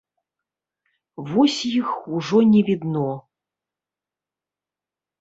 Вось іх ужо не відно.